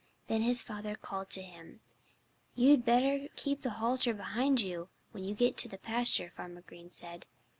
Then his father called to him. "You'd better keep the halter behind you, when you get to the pasture," Farmer Green said.